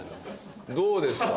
どうですか？